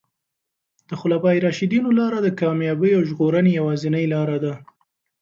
د خلفای راشدینو لاره د کامیابۍ او ژغورنې یوازینۍ لاره ده.